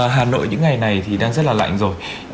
hà nội những ngày này thì đang rất là lạnh rồi